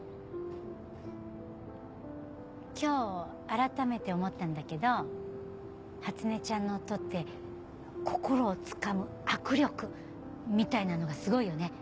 今日改めて思ったんだけど初音ちゃんの音って心をつかむ握力みたいなのがすごいよね。